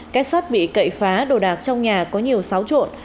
cách sát bị cậy phá đồ đạc trong nhà có nhiều xáo trộn